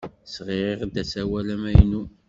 Sɣiɣ-d asawal amaynu.